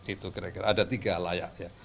itu kira kira ada tiga layaknya